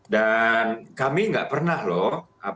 dan kami tidak pernah loh